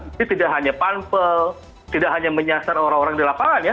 ini tidak hanya panpel tidak hanya menyasar orang orang di lapangan ya